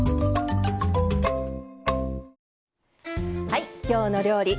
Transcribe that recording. はい「きょうの料理」